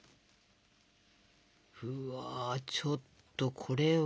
うわちょっとこれは！